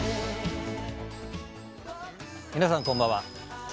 皆さんこんばんは。